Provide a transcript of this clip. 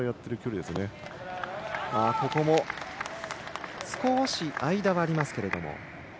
ここも少し間がありますけど。